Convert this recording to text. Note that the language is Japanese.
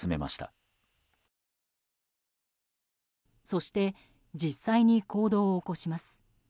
そして実際に行動を起こします。